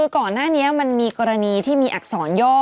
ก่อนหน้านี้มันมีกรณีที่มีอักษรย่อ